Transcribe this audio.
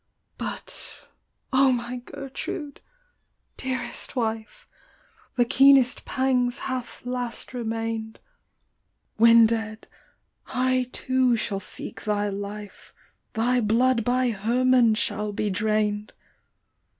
" But, O my .Gertrude ! dearest wife ! The keenest pangs hath last remain'd — When dead, I too shall seek thy life, Thy blopd by Herman shall be drain'd